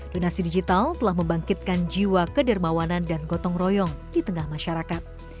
donasi digital telah membangkitkan jiwa kedermawanan dan gotong royong di tengah masyarakat